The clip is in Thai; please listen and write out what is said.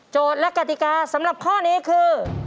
และกติกาสำหรับข้อนี้คือ